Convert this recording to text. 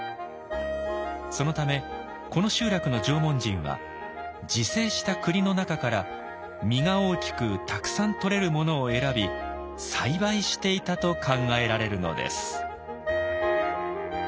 そのためこの集落の縄文人は自生したクリの中から実が大きくたくさんとれるものを選び栽培していたと考えられるのです。